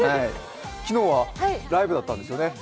昨日はライブだったんですよね？